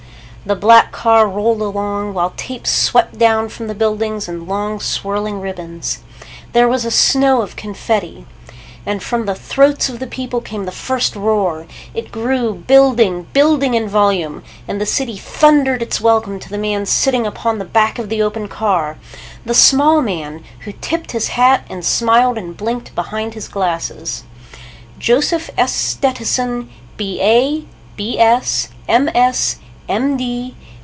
The black car rolled along, while tape swept down from the buildings in long swirling ribbons. There was a snow of confetti. And from the throats of the people came the first roar. It grew, building, building in volume, and the city thundered its welcome to the man sitting upon the back of the open car, the small man who tipped his hat and smiled and blinked behind his glasses: Joseph S. Stettison, B.A., B.S., M.S., M.